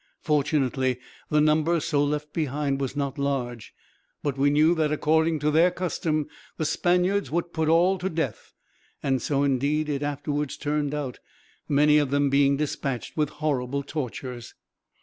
Fortunately the number so left behind was not large; but we knew that, according to their custom, the Spaniards would put all to death, and so indeed it afterwards turned out, many of them being dispatched with horrible tortures.